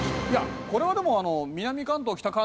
いやこれはでも南関東北